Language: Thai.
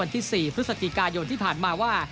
ที่๔พฤศจิกายนที่ผ่านมาว่า